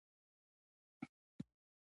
کهکشانونه د ستورو د کورونو مجموعه ده.